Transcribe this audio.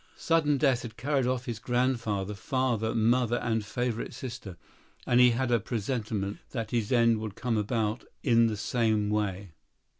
Sudden death had carried off his grandfather, father, mother and favorite sister; and he had a presentiment that his end would come about in the same way.